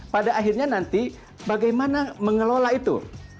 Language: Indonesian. pada akhirnya nanti bagaimana mengelola itu